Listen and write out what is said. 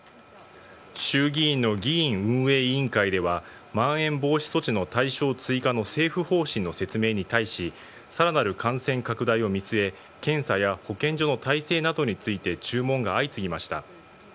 衆議院の議院運営委員会では、まん延防止措置の対象追加の政府方針の説明に対し、さらなる感染拡大を見据え、検査や保健所の体制などについて注文が相次ぎました。